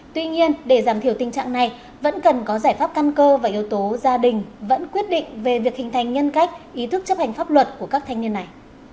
tuy nhiên để giảm thiểu tình trạng này vẫn cần có giải pháp căn cơ và yếu tố gia đình vẫn quyết định về việc hình thành nhân cách ý thức chấp hành pháp luật của các thanh niên này